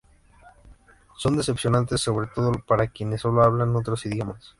Son decepcionantes, sobre todo para quienes sólo hablan otros idiomas.